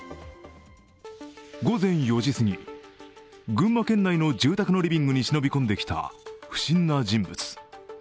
午前４時すぎ、群馬県内の住宅のリビングに忍び込んできた不審な人物。